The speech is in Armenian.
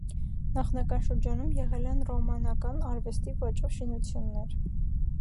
Նախնական շրջանում եղել են ռոմանական արվեստի ոճով շինություններ։